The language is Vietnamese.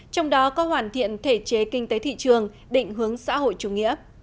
trong đó có hoàn thiện thể chế kinh tế thị trường định hướng xã hội chủ nghĩa